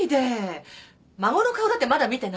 孫の顔だってまだ見てないんですよ。